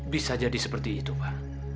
bisa jadi seperti itu pak